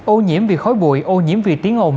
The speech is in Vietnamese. ô nhiễm vì khói bụi ô nhiễm vì tiếng ồn